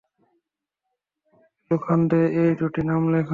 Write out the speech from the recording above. লোখান্দে, এই দুটি নাম লেখ।